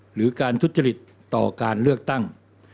หรือการทุจริตต่อการเลือกตั้ง